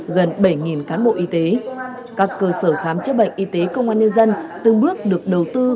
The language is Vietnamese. gần bảy cán bộ y tế các cơ sở khám chữa bệnh y tế công an nhân dân từng bước được đầu tư